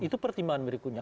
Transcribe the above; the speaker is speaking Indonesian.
itu pertimbangan berikutnya